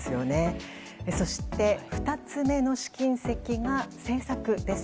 そして、２つ目の試金石が政策です。